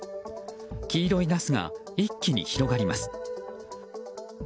黄色いガスが一気に広がります。